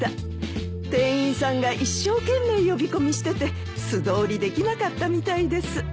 店員さんが一生懸命呼び込みしてて素通りできなかったみたいです。